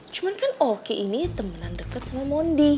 cuman kan oki ini temenan deket sama monde